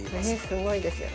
すごいですよね。